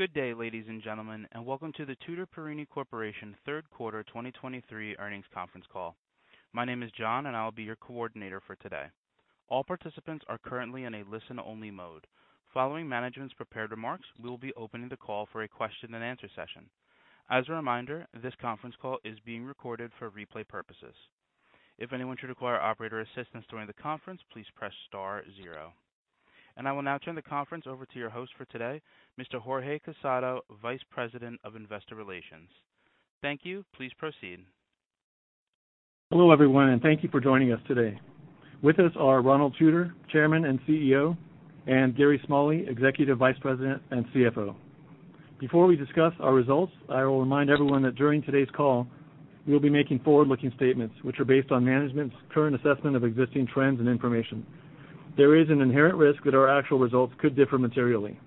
Good day, ladies and gentlemen, and welcome to the Tutor Perini Corporation Third Quarter 2023 Earnings Conference Call. My name is John, and I'll be your coordinator for today. All participants are currently in a listen-only mode. Following management's prepared remarks, we'll be opening the call for a question-and-answer session. As a reminder, this conference call is being recorded for replay purposes. If anyone should require operator assistance during the conference, please press star zero, and I will now turn the conference over to your host for today, Mr. Jorge Casado, Vice President of Investor Relations. Thank you. Please proceed. Hello, everyone, and thank you for joining us today. With us are Ronald Tutor, Chairman and CEO, and Gary Smalley, Executive Vice President and CFO. Before we discuss our results, I will remind everyone that during today's call, we'll be making forward-looking statements, which are based on management's current assessment of existing trends and information. There is an inherent risk that our actual results could differ materially.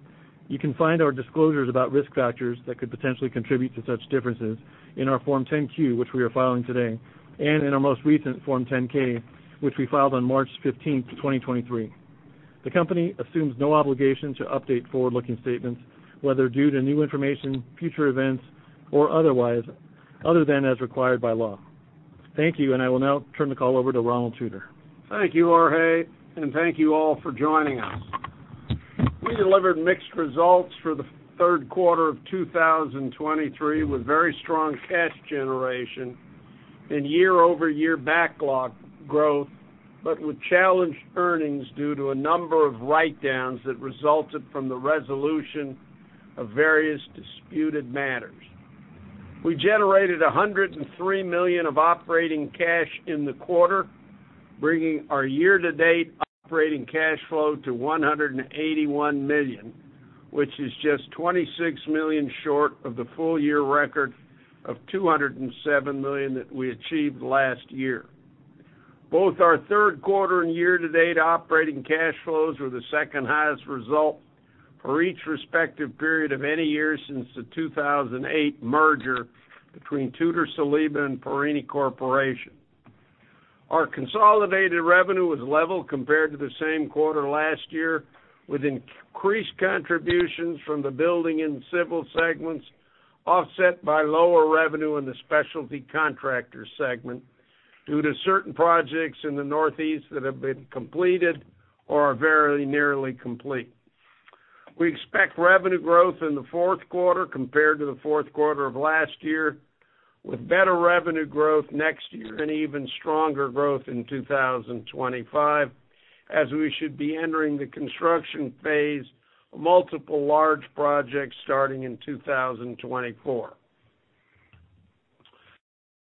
You can find our disclosures about risk factors that could potentially contribute to such differences in our Form 10-Q, which we are filing today, and in our most recent Form 10-K, which we filed on March fifteenth, 2023. The company assumes no obligation to update forward-looking statements, whether due to new information, future events, or otherwise, other than as required by law. Thank you, and I will now turn the call over to Ronald Tutor. Thank you, Jorge, and thank you all for joining us. We delivered mixed results for the third quarter of 2023, with very strong cash generation and year-over-year backlog growth, but with challenged earnings due to a number of write-downs that resulted from the resolution of various disputed matters. We generated $103 million of operating cash in the quarter, bringing our year-to-date operating cash flow to $181 million, which is just $26 million short of the full year record of $207 million that we achieved last year. Both our third quarter and year-to-date operating cash flows were the second-highest result for each respective period of any year since the 2008 merger between Tutor-Saliba and Perini Corporation. Our consolidated revenue was level compared to the same quarter last year, with increased contributions from the building and civil segments, offset by lower revenue in the specialty contractor segment due to certain projects in the Northeast that have been completed or are very nearly complete. We expect revenue growth in the fourth quarter compared to the fourth quarter of last year, with better revenue growth next year and even stronger growth in 2025, as we should be entering the construction phase of multiple large projects starting in 2024.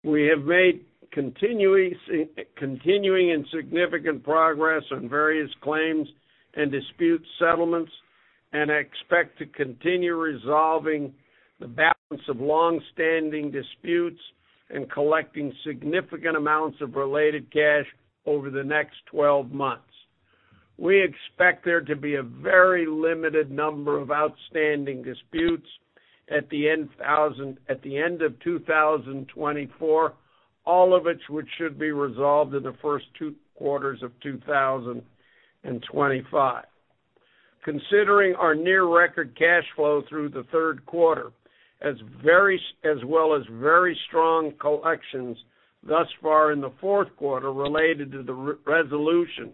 We have made continuing and significant progress on various claims and dispute settlements and expect to continue resolving the balance of long-standing disputes and collecting significant amounts of related cash over the next 12 months. We expect there to be a very limited number of outstanding disputes at the end of 2024, all of which should be resolved in the first two quarters of 2025. Considering our near record cash flow through the third quarter, as well as very strong collections thus far in the fourth quarter related to the resolution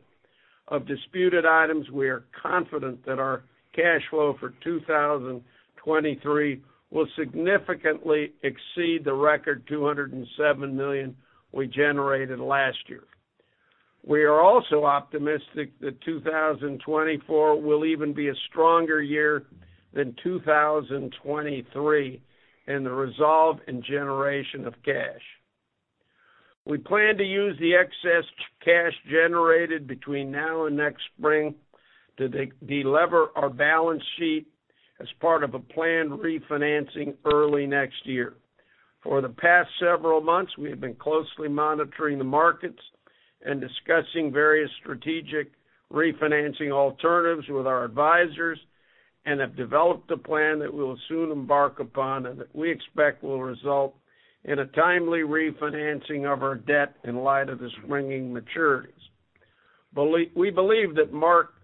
of disputed items, we are confident that our cash flow for 2023 will significantly exceed the record $207 million we generated last year. We are also optimistic that 2024 will even be a stronger year than 2023 in the resolve and generation of cash. We plan to use the excess cash generated between now and next spring to de-lever our balance sheet as part of a planned refinancing early next year. For the past several months, we have been closely monitoring the markets and discussing various strategic refinancing alternatives with our advisors and have developed a plan that we'll soon embark upon and that we expect will result in a timely refinancing of our debt in light of the springing maturities. We believe that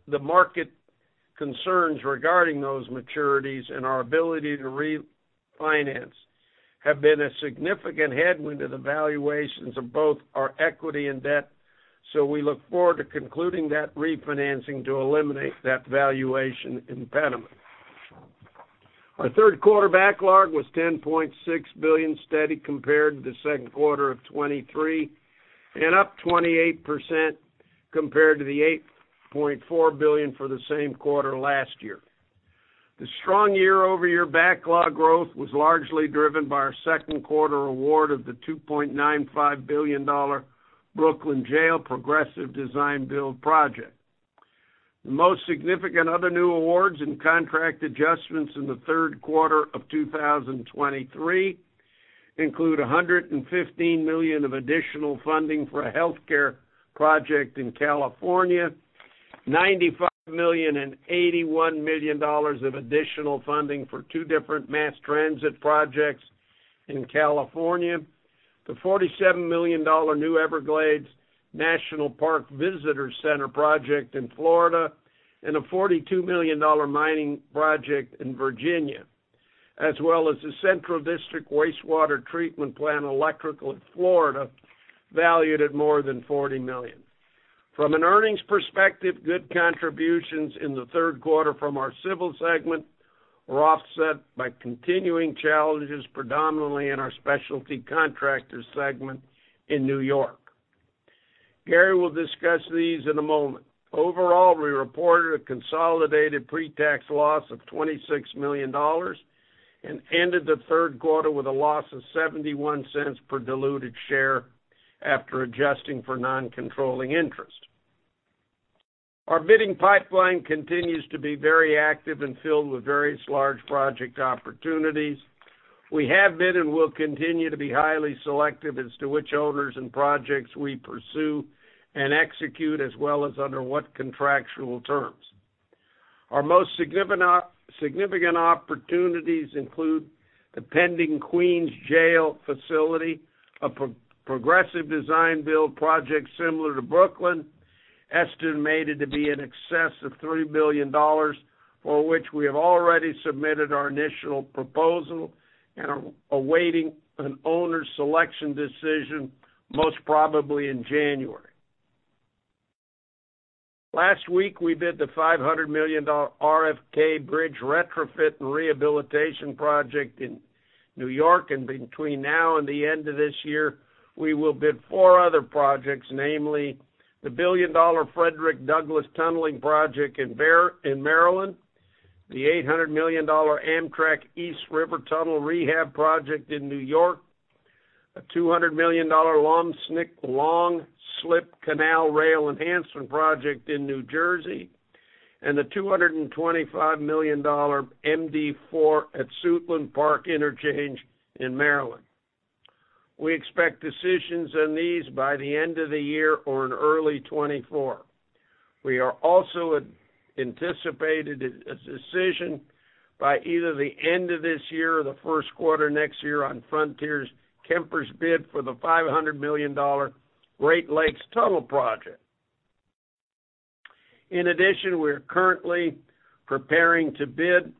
the market concerns regarding those maturities and our ability to refinance have been a significant headwind to the valuations of both our equity and debt, so we look forward to concluding that refinancing to eliminate that valuation impediment. Our third quarter backlog was $10.6 billion steady compared to the second quarter of 2023 and up 28% compared to the $8.4 billion for the same quarter last year. The strong year-over-year backlog growth was largely driven by our second quarter award of the $2.95 billion Brooklyn Jail Progressive Design Build project. The most significant other new awards and contract adjustments in the third quarter of 2023 include $115 million of additional funding for a healthcare project in California, $95 million and $81 million of additional funding for two different mass transit projects in California, the $47 million new Everglades National Park Visitor Center project in Florida, and a $42 million mining project in Virginia, as well as the Central District Wastewater Treatment Plant electrical in Florida, valued at more than $40 million. From an earnings perspective, good contributions in the third quarter from our civil segment were offset by continuing challenges, predominantly in our specialty contractor segment in New York. Gary will discuss these in a moment. Overall, we reported a consolidated pretax loss of $26 million and ended the third quarter with a loss of $0.71 per diluted share after adjusting for non-controlling interest. Our bidding pipeline continues to be very active and filled with various large project opportunities. We have been and will continue to be highly selective as to which owners and projects we pursue and execute, as well as under what contractual terms. Our most significant significant opportunities include the pending Queens Jail facility, a progressive design build project similar to Brooklyn, estimated to be in excess of $3 billion, for which we have already submitted our initial proposal and are awaiting an owner's selection decision, most probably in January. Last week, we bid the $500 million RFK Bridge retrofit and rehabilitation project in New York, and between now and the end of this year, we will bid four other projects, namely the $1 billion Frederick Douglass Tunneling Project in Maryland, the $800 million Amtrak East River Tunnel rehab project in New York, a $200 million Long Slip Canal Rail Enhancement Project in New Jersey, and the $225 million MD 4 at Suitland Park Interchange in Maryland. We expect decisions on these by the end of the year or in early 2024. We are also anticipating a decision by either the end of this year or the first quarter next year on Frontier-Kemper's bid for the $500 million Great Lakes Tunnel Project. In addition, we are currently preparing to bid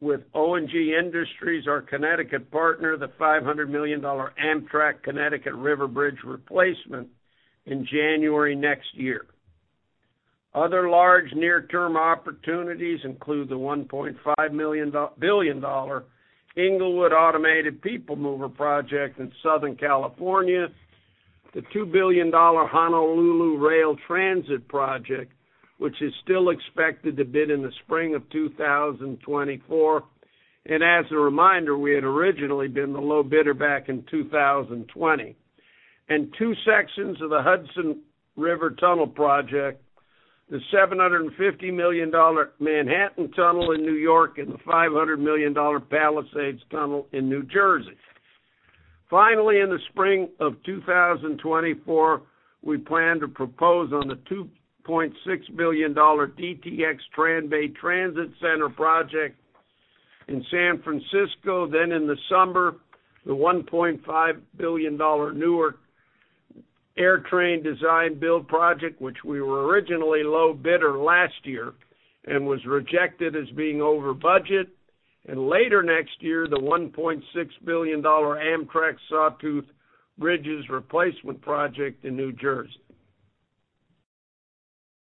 with O&G Industries, our Connecticut partner, the $500 million Amtrak Connecticut River Bridge replacement in January next year. Other large near-term opportunities include the $1.5 billion Inglewood Automated People Mover project in Southern California, the $2 billion Honolulu Rail Transit project, which is still expected to bid in the spring of 2024. And as a reminder, we had originally been the low bidder back in 2020. And two sections of the Hudson River Tunnel project, the $750 million Manhattan Tunnel in New York and the $500 million Palisades Tunnel in New Jersey. Finally, in the spring of 2024, we plan to propose on the $2.6 billion DTX Transbay Transit Center project in San Francisco. Then in the summer, the $1.5 billion Newark AirTrain design build project, which we were originally low bidder last year and was rejected as being over budget. And later next year, the $1.6 billion Amtrak Sawtooth Bridges Replacement Project in New Jersey.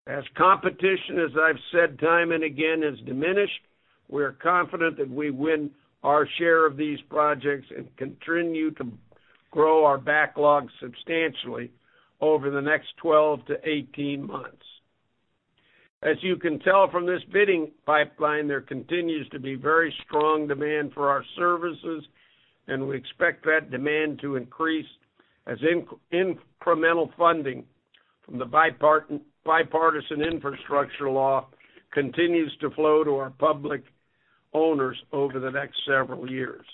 As competition, as I've said time and again, has diminished, we are confident that we win our share of these projects and continue to grow our backlog substantially over the next 12-18 months. As you can tell from this bidding pipeline, there continues to be very strong demand for our services, and we expect that demand to increase as incremental funding from the Bipartisan Infrastructure Law continues to flow to our public owners over the next several years.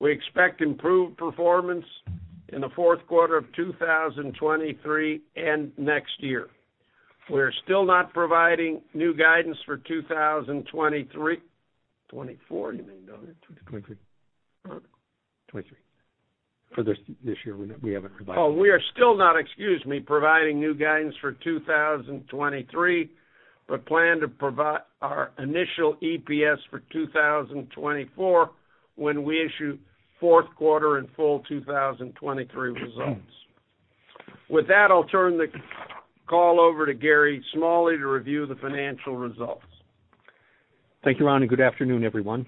We expect improved performance in the fourth quarter of 2023 and next year. We are still not providing new guidance for 2023. Twenty-four, you mean, don't you? Twenty-three. Oh. 23. For this year, we haven't provided- Oh, we are still not, excuse me, providing new guidance for 2023, but plan to provide our initial EPS for 2024 when we issue fourth quarter and full 2023 results. With that, I'll turn the call over to Gary Smalley to review the financial results. Thank you, Ron, and good afternoon, everyone.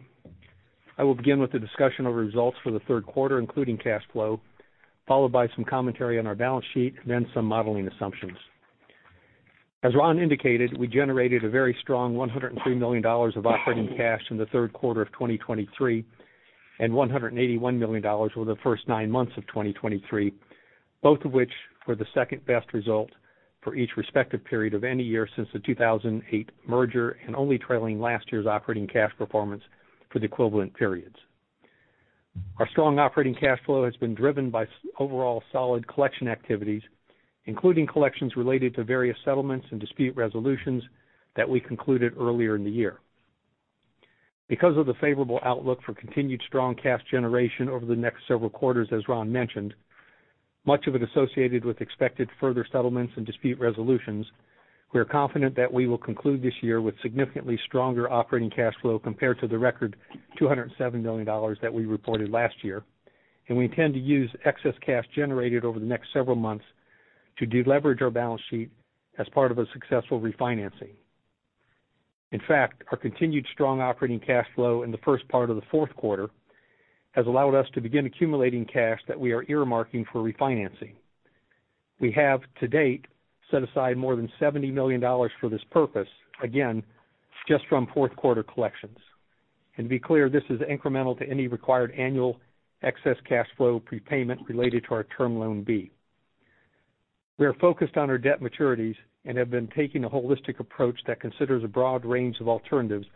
I will begin with a discussion over results for the third quarter, including cash flow, followed by some commentary on our balance sheet, and then some modeling assumptions. As Ron indicated, we generated a very strong $103 million of operating cash in the third quarter of 2023, and $181 million over the first nine months of 2023, both of which were the second-best result for each respective period of any year since the 2008 merger, and only trailing last year's operating cash performance for the equivalent periods. Our strong operating cash flow has been driven by overall solid collection activities, including collections related to various settlements and dispute resolutions that we concluded earlier in the year. Because of the favorable outlook for continued strong cash generation over the next several quarters, as Ron mentioned, much of it associated with expected further settlements and dispute resolutions, we are confident that we will conclude this year with significantly stronger operating cash flow compared to the record $207 million that we reported last year, and we intend to use excess cash generated over the next several months to deleverage our balance sheet as part of a successful refinancing. In fact, our continued strong operating cash flow in the first part of the fourth quarter has allowed us to begin accumulating cash that we are earmarking for refinancing. We have, to date, set aside more than $70 million for this purpose, again, just from fourth quarter collections. To be clear, this is incremental to any required annual excess cash flow prepayment related to our Term Loan B. We are focused on our debt maturities and have been taking a holistic approach that considers a broad range of alternatives,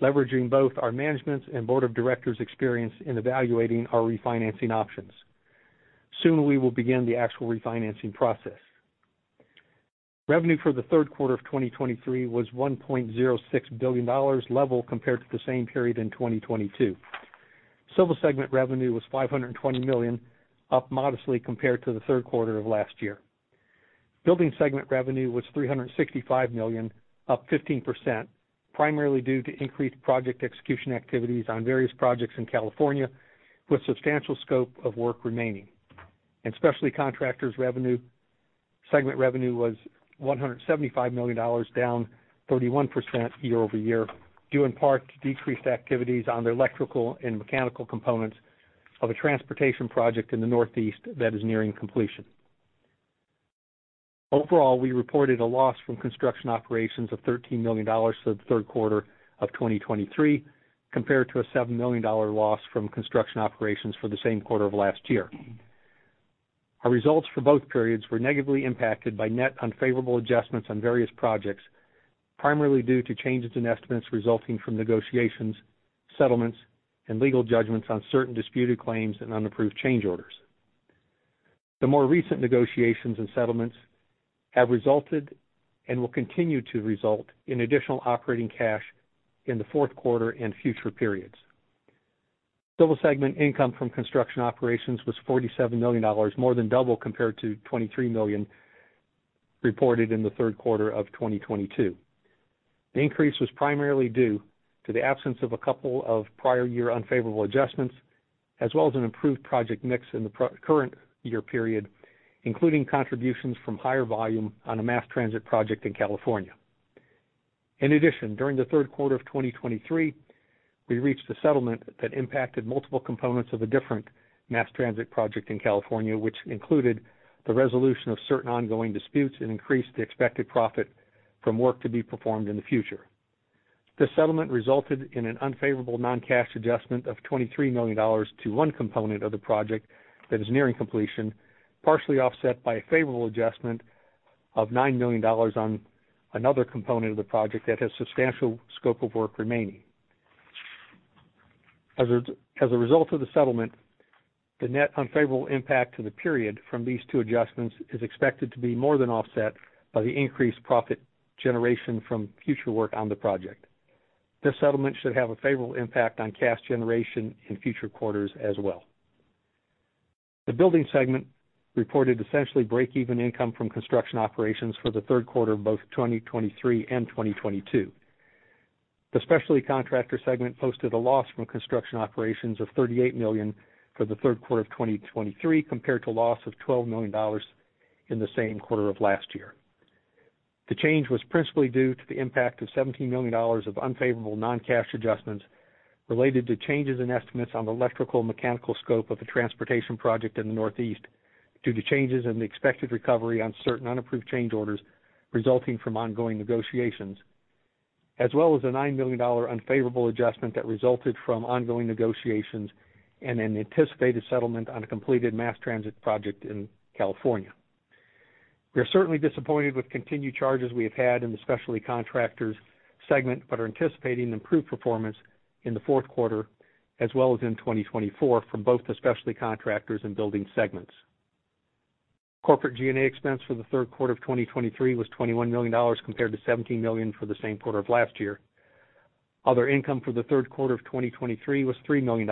leveraging both our management's and board of directors' experience in evaluating our refinancing options. Soon, we will begin the actual refinancing process. Revenue for the third quarter of 2023 was $1.06 billion, level compared to the same period in 2022. Civil segment revenue was $520 million, up modestly compared to the third quarter of last year. Building segment revenue was $365 million, up 15%, primarily due to increased project execution activities on various projects in California, with substantial scope of work remaining. Specialty Contractors revenue, segment revenue was $175 million, down 31% year-over-year, due in part to decreased activities on the electrical and mechanical components of a transportation project in the Northeast that is nearing completion. Overall, we reported a loss from construction operations of $13 million for the third quarter of 2023, compared to a $7 million loss from construction operations for the same quarter of last year. Our results for both periods were negatively impacted by net unfavorable adjustments on various projects, primarily due to changes in estimates resulting from negotiations, settlements, and legal judgments on certain disputed claims and unapproved change orders. The more recent negotiations and settlements have resulted and will continue to result in additional operating cash in the fourth quarter and future periods. Civil segment income from construction operations was $47 million, more than double compared to $23 million reported in the third quarter of 2022. The increase was primarily due to the absence of a couple of prior year unfavorable adjustments, as well as an improved project mix in the current year period, including contributions from higher volume on a mass transit project in California. In addition, during the third quarter of 2023, we reached a settlement that impacted multiple components of a different mass transit project in California, which included the resolution of certain ongoing disputes and increased the expected profit from work to be performed in the future. This settlement resulted in an unfavorable non-cash adjustment of $23 million to one component of the project that is nearing completion, partially offset by a favorable adjustment of $9 million on another component of the project that has substantial scope of work remaining. As a result of the settlement, the net unfavorable impact to the period from these two adjustments is expected to be more than offset by the increased profit generation from future work on the project. This settlement should have a favorable impact on cash generation in future quarters as well. The building segment reported essentially break-even income from construction operations for the third quarter of both 2023 and 2022. The Specialty Contractor segment posted a loss from construction operations of $38 million for the third quarter of 2023, compared to a loss of $12 million in the same quarter of last year. The change was principally due to the impact of $17 million of unfavorable non-cash adjustments related to changes in estimates on the electrical and mechanical scope of the transportation project in the Northeast, due to changes in the expected recovery on certain unapproved change orders resulting from ongoing negotiations, as well as a $9 million unfavorable adjustment that resulted from ongoing negotiations and an anticipated settlement on a completed mass transit project in California. We are certainly disappointed with continued charges we have had in the Specialty Contractors segment, but are anticipating improved performance in the fourth quarter as well as in 2024 from both the Specialty Contractors and Building segments. Corporate G&A expense for the third quarter of 2023 was $21 million, compared to $17 million for the same quarter of last year. Other income for the third quarter of 2023 was $3 million,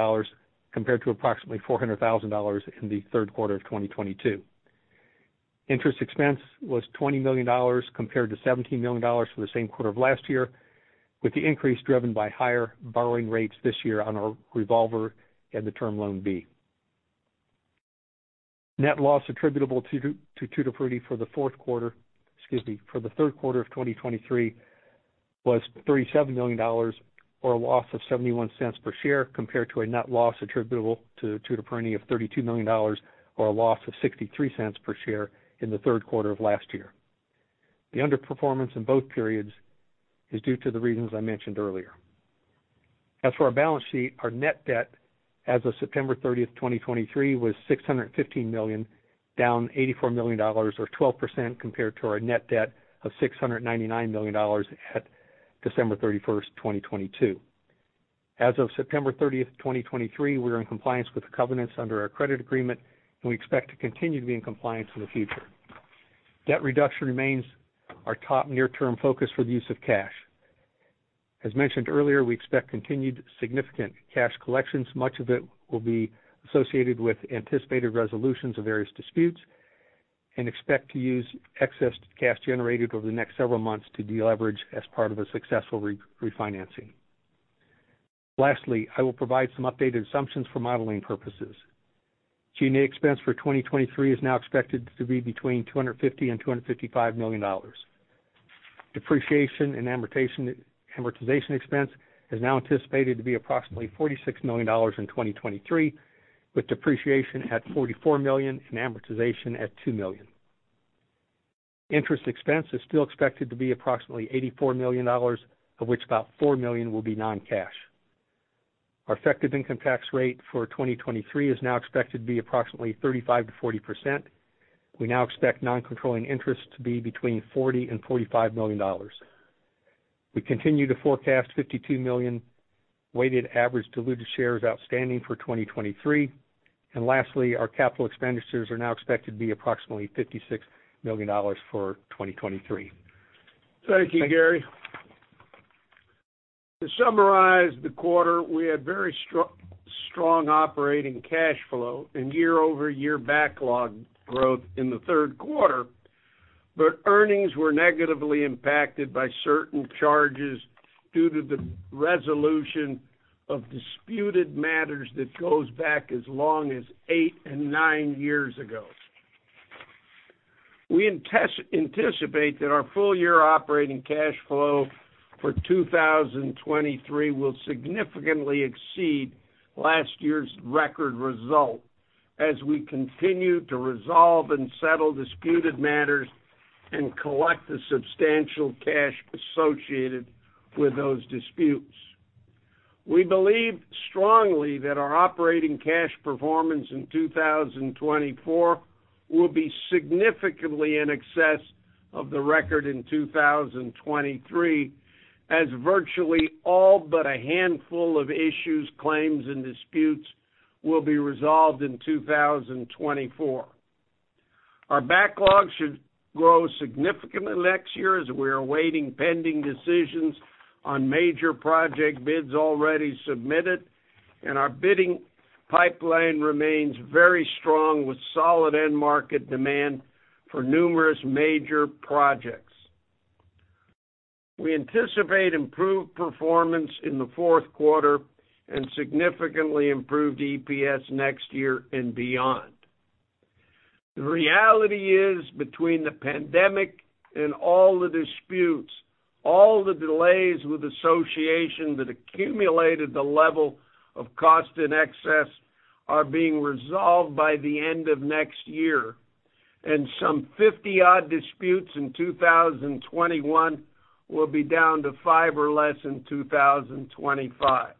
compared to approximately $400,000 in the third quarter of 2022. Interest expense was $20 million compared to $17 million for the same quarter of last year, with the increase driven by higher borrowing rates this year on our revolver and the Term Loan B. Net loss attributable to Tutor Perini for the fourth quarter, excuse me, for the third quarter of 2023, was $37 million, or a loss of $0.71 per share, compared to a net loss attributable to Tutor Perini of $32 million, or a loss of $0.63 per share in the third quarter of last year. The underperformance in both periods is due to the reasons I mentioned earlier. As for our balance sheet, our net debt as of September 30, 2023, was $615 million, down $84 million or 12% compared to our net debt of $699 million at December 31, 2022.... As of September 30, 2023, we are in compliance with the covenants under our credit agreement, and we expect to continue to be in compliance in the future. Debt reduction remains our top near-term focus for the use of cash. As mentioned earlier, we expect continued significant cash collections. Much of it will be associated with anticipated resolutions of various disputes and expect to use excess cash generated over the next several months to deleverage as part of a successful refinancing. Lastly, I will provide some updated assumptions for modeling purposes. G&A expense for 2023 is now expected to be between $250 million and $255 million. Depreciation and amortization, amortization expense is now anticipated to be approximately $46 million in 2023, with depreciation at $44 million and amortization at $2 million. Interest expense is still expected to be approximately $84 million, of which about $4 million will be non-cash. Our effective income tax rate for 2023 is now expected to be approximately 35%-40%. We now expect non-controlling interest to be between $40 million and $45 million. We continue to forecast 52 million weighted average diluted shares outstanding for 2023. And lastly, our capital expenditures are now expected to be approximately $56 million for 2023. Thank you, Gary. To summarize the quarter, we had very strong operating cash flow and year-over-year backlog growth in the third quarter, but earnings were negatively impacted by certain charges due to the resolution of disputed matters that goes back as long as 8 and 9 years ago. We anticipate that our full year operating cash flow for 2023 will significantly exceed last year's record result as we continue to resolve and settle disputed matters and collect the substantial cash associated with those disputes. We believe strongly that our operating cash performance in 2024 will be significantly in excess of the record in 2023, as virtually all but a handful of issues, claims, and disputes will be resolved in 2024. Our backlog should grow significantly next year, as we are awaiting pending decisions on major project bids already submitted, and our bidding pipeline remains very strong, with solid end market demand for numerous major projects. We anticipate improved performance in the fourth quarter and significantly improved EPS next year and beyond. The reality is, between the pandemic and all the disputes, all the delays with association that accumulated the level of cost and excess are being resolved by the end of next year, and some 50-odd disputes in 2021 will be down to five or less in 2025.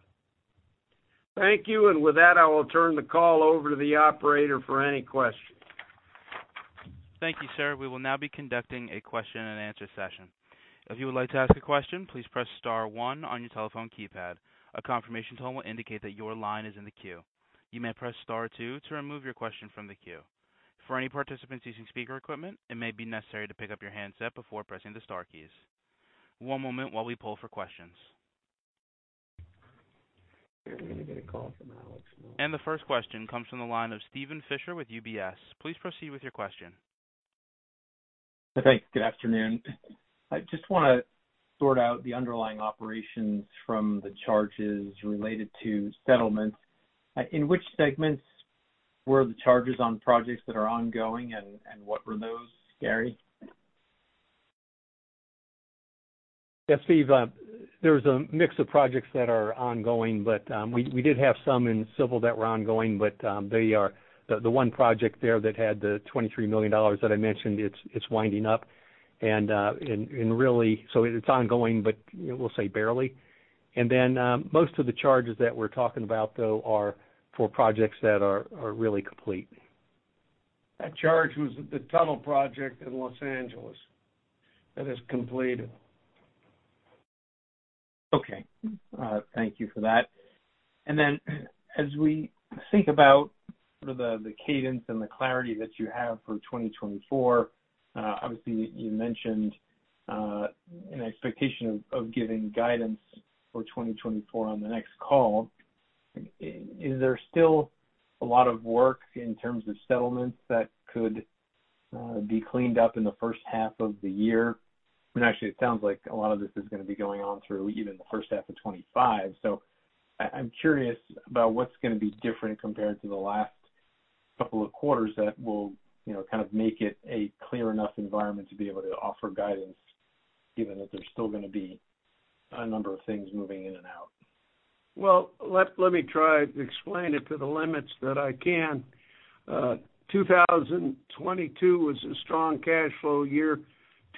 Thank you. And with that, I will turn the call over to the operator for any questions. Thank you, sir. We will now be conducting a question and answer session. If you would like to ask a question, please press star one on your telephone keypad. A confirmation tone will indicate that your line is in the queue. You may press star two to remove your question from the queue. For any participants using speaker equipment, it may be necessary to pick up your handset before pressing the star keys. One moment while we pull for questions. We're going to get a call from Alex. The first question comes from the line of Steven Fisher with UBS. Please proceed with your question. Thanks. Good afternoon. I just wanna sort out the underlying operations from the charges related to settlements. In which segments were the charges on projects that are ongoing, and what were those, Gary? Yeah, Steve, there's a mix of projects that are ongoing, but we did have some in civil that were ongoing, but they are the one project there that had the $23 million that I mentioned, it's winding up. And really, so it's ongoing, but we'll say barely. And then, most of the charges that we're talking about, though, are for projects that are really complete. That charge was the tunnel project in Los Angeles that is completed. Okay. Thank you for that. And then as we think about sort of the, the cadence and the clarity that you have for 2024, obviously, you mentioned an expectation of, of giving guidance for 2024 on the next call. Is there still a lot of work in terms of settlements that could be cleaned up in the first half of the year? And actually, it sounds like a lot of this is gonna be going on through even the first half of 2025. So I'm curious about what's gonna be different compared to the last couple of quarters that will, you know, kind of make it a clear enough environment to be able to offer guidance, even if there's still gonna be a number of things moving in and out. Well, let me try to explain it to the limits that I can. 2022 was a strong cash flow year.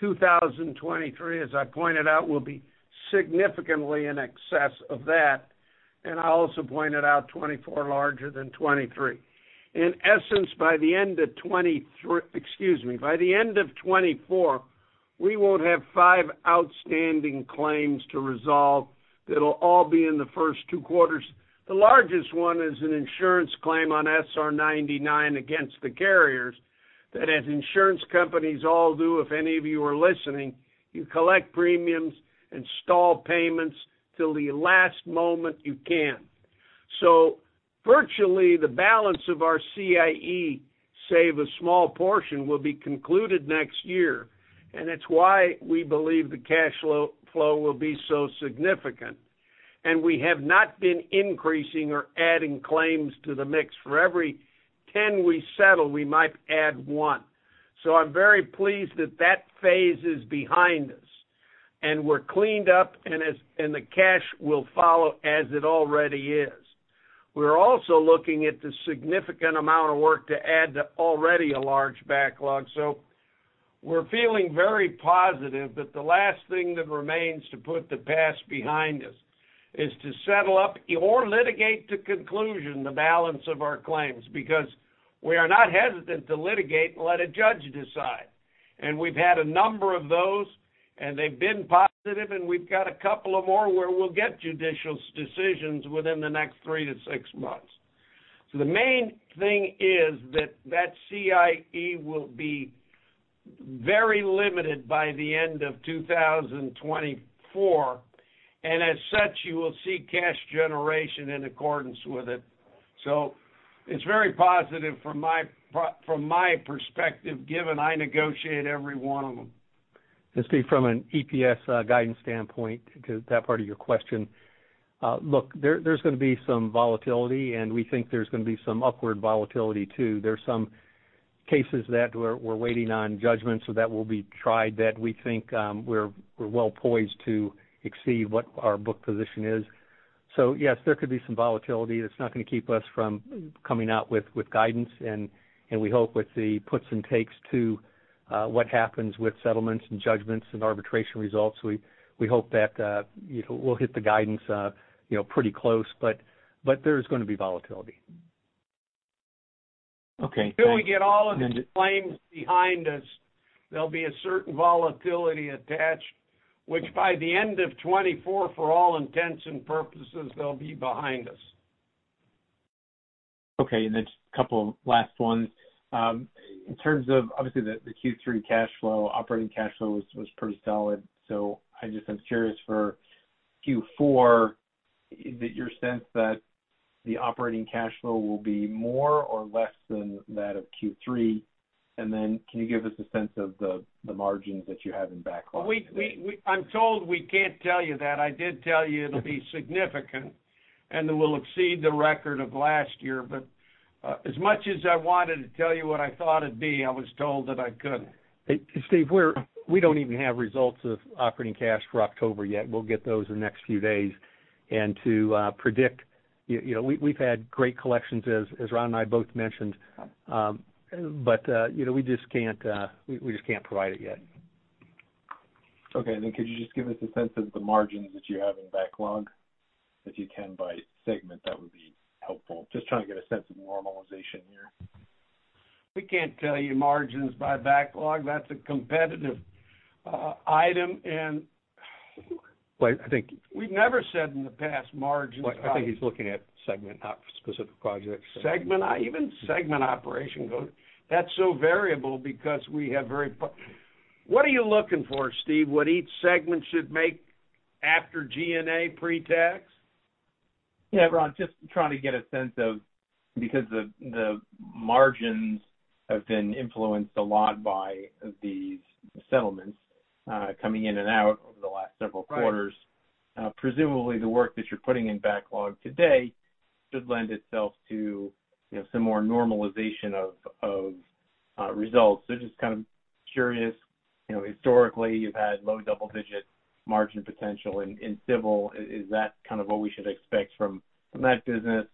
2023, as I pointed out, will be significantly in excess of that, and I also pointed out 2024 larger than 2023. In essence, by the end of 2024, we won't have 5 outstanding claims to resolve that'll all be in the first two quarters. The largest one is an insurance claim on SR99 against the carriers, that as insurance companies all do, if any of you are listening, you collect premiums, install payments till the last moment you can. So virtually, the balance of our CIE, save a small portion, will be concluded next year, and it's why we believe the cash flow flow will be so significant. And we have not been increasing or adding claims to the mix. For every 10 we settle, we might add one. So I'm very pleased that that phase is behind us, and we're cleaned up, and the cash will follow as it already is. We're also looking at the significant amount of work to add to already a large backlog. So we're feeling very positive, but the last thing that remains to put the past behind us is to settle up or litigate to conclusion the balance of our claims, because we are not hesitant to litigate and let a judge decide. And we've had a number of those, and they've been positive, and we've got a couple of more where we'll get judicial decisions within the next three to six months. So the main thing is that that CIE will be very limited by the end of 2024, and as such, you will see cash generation in accordance with it. So it's very positive from my perspective, given I negotiate every one of them. And Steve, from an EPS guidance standpoint, to that part of your question, look, there's gonna be some volatility, and we think there's gonna be some upward volatility, too. There's some cases that we're waiting on judgment, so that will be tried, that we think, we're well poised to exceed what our book position is. So yes, there could be some volatility. It's not gonna keep us from coming out with guidance, and we hope with the puts and takes to what happens with settlements and judgments and arbitration results, we hope that, you know, we'll hit the guidance, you know, pretty close. But there's gonna be volatility. Okay, thanks- Till we get all of the claims behind us, there'll be a certain volatility attached, which by the end of 2024, for all intents and purposes, they'll be behind us. Okay, and then just a couple of last ones. In terms of, obviously, the Q3 cash flow, operating cash flow was pretty solid. So I just, I'm curious for Q4, is it your sense that the operating cash flow will be more or less than that of Q3? And then can you give us a sense of the margins that you have in backlog? I'm told we can't tell you that. I did tell you it'll be significant, and that we'll exceed the record of last year. But, as much as I wanted to tell you what I thought it'd be, I was told that I couldn't. Hey, Steve, we don't even have results of operating cash for October yet. We'll get those in the next few days. And to predict, you know, we've had great collections, as Ron and I both mentioned. But you know, we just can't provide it yet. Okay. And then could you just give us a sense of the margins that you have in backlog, if you can, by segment? That would be helpful. Just trying to get a sense of normalization here. We can't tell you margins by backlog. That's a competitive item, and Well, I think- We've never said in the past margins by- I think he's looking at segment, not specific projects. Segment, even segment operation goes. That's so variable because we have very. What are you looking for, Steve? What each segment should make after G&A pretax? Yeah, Ron, just trying to get a sense of, because the margins have been influenced a lot by these settlements coming in and out over the last several quarters. Right. Presumably, the work that you're putting in backlog today should lend itself to, you know, some more normalization of results. So just kind of curious, you know, historically, you've had low double-digit margin potential in civil. Is that kind of what we should expect from that business?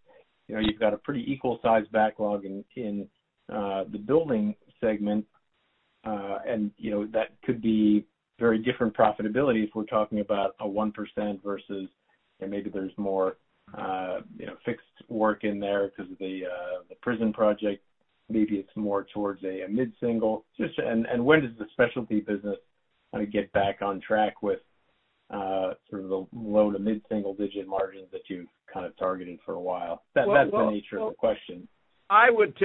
You know, you've got a pretty equal-sized backlog in the building segment. And, you know, that could be very different profitability if we're talking about a 1% versus, you know, maybe there's more, you know, fixed work in there because of the prison project. Maybe it's more towards a mid-single. Just, and when does the specialty business kind of get back on track with sort of the low to mid-single-digit margins that you've kind of targeted for a while? That's the nature of the question. I would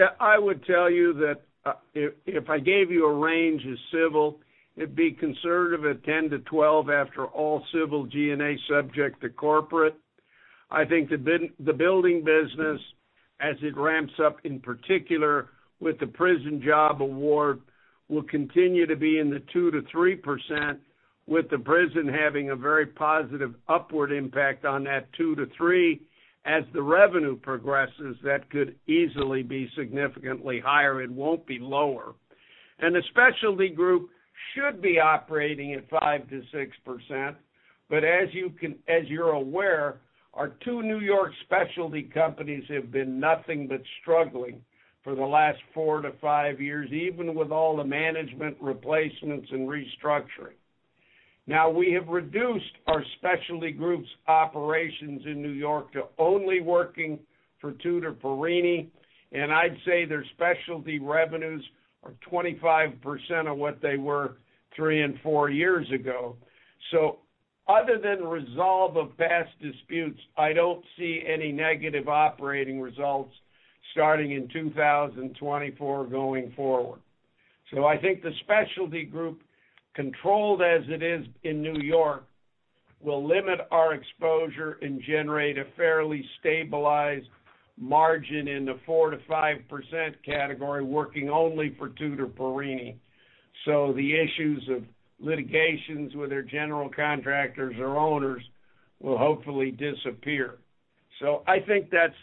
tell you that, if I gave you a range as civil, it'd be conservative at 10-12 after all civil G&A subject to corporate. I think the building business, as it ramps up, in particular with the prison job award, will continue to be in the 2%-3%, with the prison having a very positive upward impact on that 2%-3%. As the revenue progresses, that could easily be significantly higher and won't be lower. And the specialty group should be operating at 5%-6%, but as you're aware, our two New York specialty companies have been nothing but struggling for the last 4-5 years, even with all the management replacements and restructuring. Now, we have reduced our specialty group's operations in New York to only working for Tutor Perini, and I'd say their specialty revenues are 25% of what they were three and four years ago. So other than resolve of past disputes, I don't see any negative operating results starting in 2024 going forward. So I think the specialty group, controlled as it is in New York, will limit our exposure and generate a fairly stabilized margin in the 4%-5% category, working only for Tutor Perini. So the issues of litigations with their general contractors or owners will hopefully disappear. So I think that's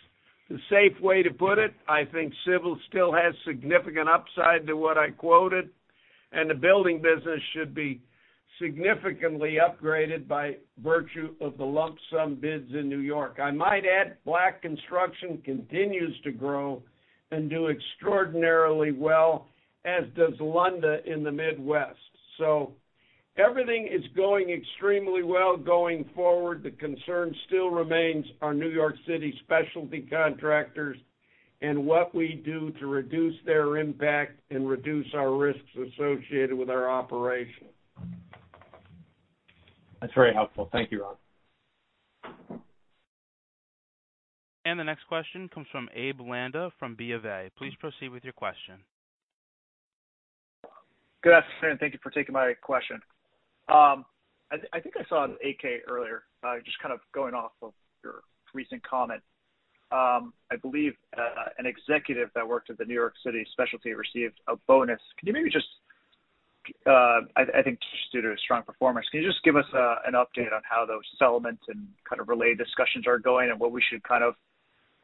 the safe way to put it. I think civil still has significant upside to what I quoted, and the building business should be significantly upgraded by virtue of the lump sum bids in New York. I might add, Black Construction continues to grow and do extraordinarily well, as does Lunda in the Midwest. So everything is going extremely well going forward. The concern still remains our New York City specialty contractors and what we do to reduce their impact and reduce our risks associated with our operation. That's very helpful. Thank you, Ron. The next question comes from Abe Landa from B of A. Please proceed with your question. Good afternoon, thank you for taking my question. I think I saw an 8-K earlier. Just kind of going off of your recent comment. I believe an executive that worked at the New York City Specialty received a bonus. Can you maybe just, I think, just due to a strong performance. Can you just give us an update on how those settlements and kind of related discussions are going, and what we should kind of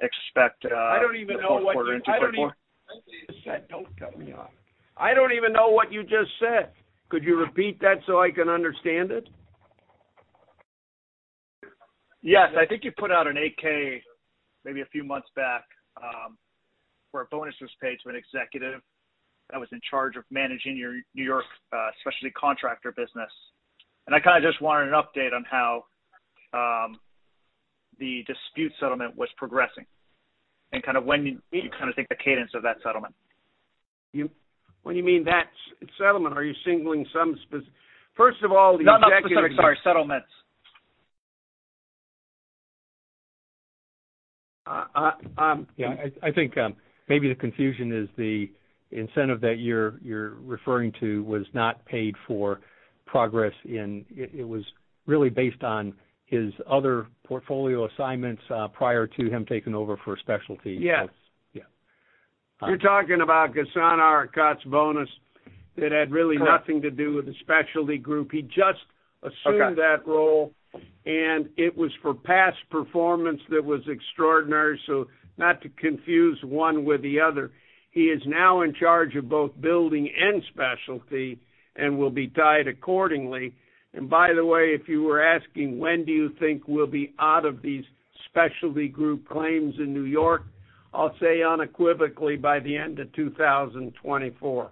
expect the fourth quarter into 2024? I don't even know what you just said. Don't cut me off. I don't even know what you just said. Could you repeat that so I can understand it? Yes, I think you put out an 8-K, maybe a few months back, where a bonus was paid to an executive that was in charge of managing your New York specialty contractor business. I kind of just wanted an update on how the dispute settlement was progressing and kind of when you kind of think the cadence of that settlement. You— When you mean that settlement, are you singling some spec...? First of all, the executive— Not specific, sorry, settlements. Uh, uh, um- Yeah, I think maybe the confusion is the incentive that you're referring to was not paid for progress in... It was really based on his other portfolio assignments prior to him taking over for specialty. Yes. Yeah. You're talking about Ghassan Ariqat's bonus. That had really- Correct... nothing to do with the specialty group. He just assumed that role, and it was for past performance that was extraordinary. So not to confuse one with the other. He is now in charge of both building and specialty and will be tied accordingly. And by the way, if you were asking, when do you think we'll be out of these specialty group claims in New York? I'll say unequivocally by the end of 2024.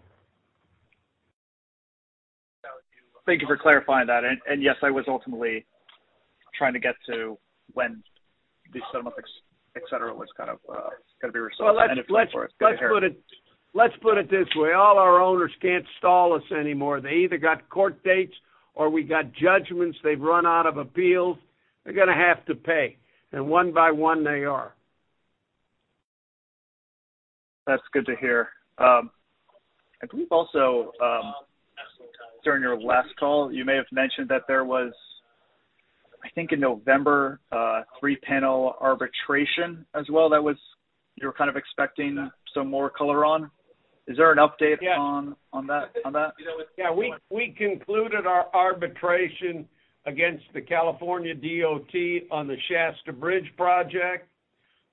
Thank you for clarifying that. And yes, I was ultimately trying to get to when the settlement, et cetera, was kind of going to be resolved. Well, let's put it this way. All our owners can't stall us anymore. They either got court dates or we got judgments. They've run out of appeals. They're going to have to pay, and one by one, they are. That's good to hear. I believe also, during your last call, you may have mentioned that there was, I think, in November, three-panel arbitration as well, that was, you were kind of expecting some more color on. Is there an update on, on that, on that? Yeah, we concluded our arbitration against the California DOT on the Shasta Bridge project.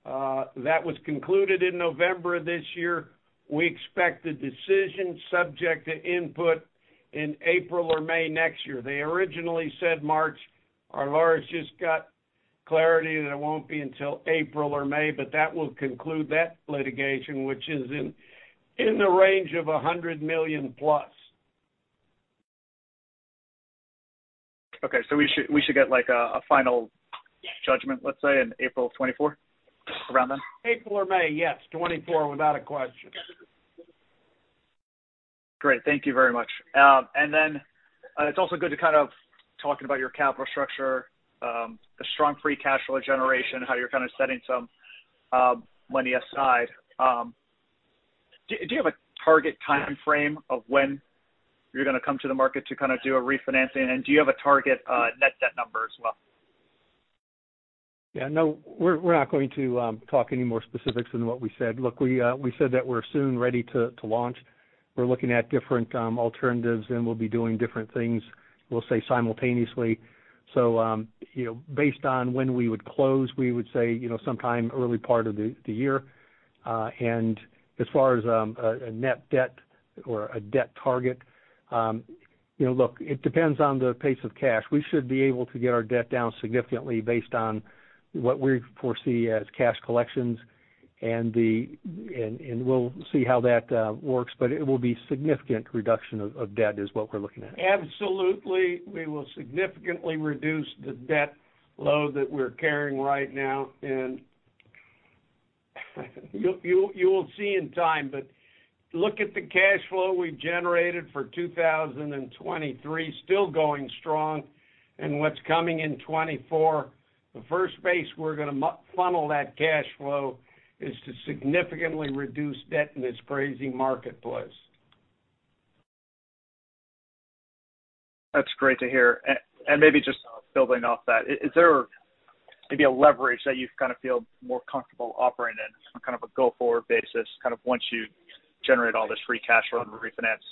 That was concluded in November of this year. We expect a decision subject to input in April or May next year. They originally said March. Our lawyers just got clarity that it won't be until April or May, but that will conclude that litigation, which is in the range of $100 million+. Okay. So we should, we should get, like, a final judgment, let's say, in April of 2024, around then? April or May, yes, 2024, without a question. Great. Thank you very much. And then, it's also good to kind of talking about your capital structure, the strong free cash flow generation, how you're kind of setting some money aside. Do you have a target time frame of when you're going to come to the market to kind of do a refinancing? And do you have a target net debt number as well? Yeah, no, we're not going to talk any more specifics than what we said. Look, we said that we're soon ready to launch. We're looking at different alternatives, and we'll be doing different things, we'll say simultaneously. So, you know, based on when we would close, we would say, you know, sometime early part of the year. And as far as a net debt or a debt target, you know, look, it depends on the pace of cash. We should be able to get our debt down significantly based on what we foresee as cash collections.... And we'll see how that works, but it will be significant reduction of debt is what we're looking at? Absolutely. We will significantly reduce the debt load that we're carrying right now, and you'll, you will see in time. But look at the cash flow we've generated for 2023, still going strong, and what's coming in 2024. The first place we're gonna funnel that cash flow is to significantly reduce debt in this crazy marketplace. That's great to hear. And, and maybe just building off that, is there maybe a leverage that you kind of feel more comfortable operating in, on kind of a go-forward basis, kind of once you generate all this free cash flow and refinance?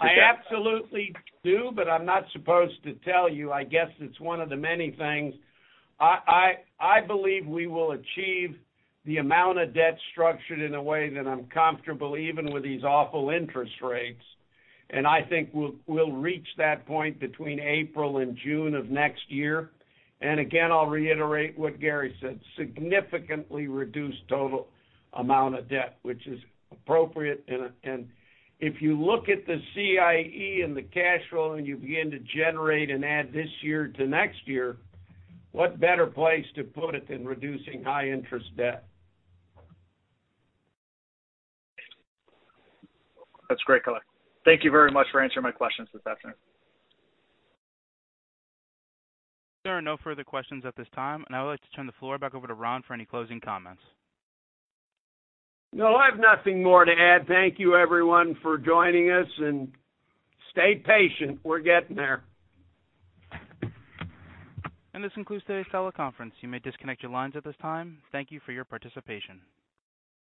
I absolutely do, but I'm not supposed to tell you. I guess it's one of the many things. I believe we will achieve the amount of debt structured in a way that I'm comfortable, even with these awful interest rates. And I think we'll reach that point between April and June of next year. And again, I'll reiterate what Gary said, significantly reduce total amount of debt, which is appropriate. And if you look at the CIE and the cash flow, and you begin to generate and add this year to next year, what better place to put it than reducing high-interest debt? That's great, Colin. Thank you very much for answering my questions this afternoon. There are no further questions at this time, and I would like to turn the floor back over to Ron for any closing comments. No, I have nothing more to add. Thank you, everyone, for joining us, and stay patient. We're getting there. This concludes today's teleconference. You may disconnect your lines at this time. Thank you for your participation.